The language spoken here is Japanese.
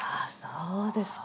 そうですか。